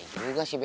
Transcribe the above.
gitu juga sih be